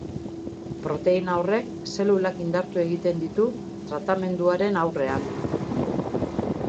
Proteina horrek zelulak indartu egiten ditu tratamenduaren aurrean.